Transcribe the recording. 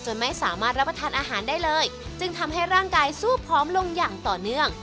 ไม่สามารถรับประทานอาหารได้เลยจึงทำให้ร่างกายสู้พร้อมลงอย่างต่อเนื่อง